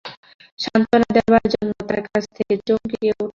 সত্ত্বনা দেবার জন্যে তার কাছে গিয়ে চমকে উঠলাম।